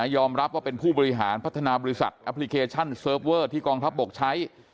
ยอมรับว่าเป็นผู้บริหารพัฒนาบริษัทแอปพลิเคชันเซิร์ฟเวอร์ที่กองทัพบกใช้